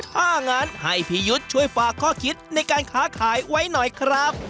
ถ้างั้นให้พี่ยุทธ์ช่วยฝากข้อคิดในการค้าขายไว้หน่อยครับ